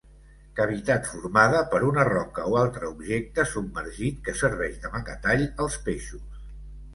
Cavitat formada per una roca o altre objecte submergit, que serveix d'amagatall als peixos.